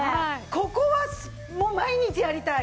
ここはもう毎日やりたい！